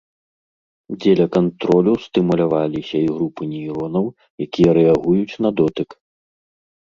Дзеля кантролю стымуляваліся і групы нейронаў, якія рэагуюць на дотык.